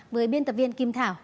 với biên tập viên kim thảo